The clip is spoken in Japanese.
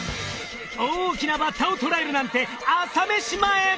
大きなバッタを捕らえるなんて朝飯前。